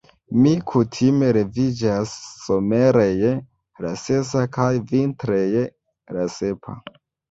Mi kutime leviĝas somere je la sesa kaj vintre je la sepa.